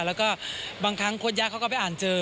แล้วก็บางครั้งโค้ชยะเขาก็ไปอ่านเจอ